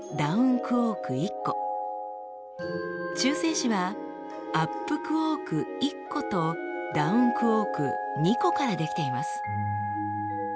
中性子はアップクォーク１個とダウンクォーク２個から出来ています。